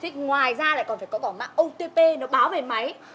thế ngoài ra lại còn phải có bảo mạng otp nó báo về máy